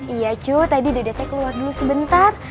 iya cu tadi dedetnya keluar dulu sebentar